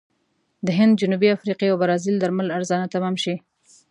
د هند، جنوبي افریقې او برازیل درمل ارزانه تمام شي.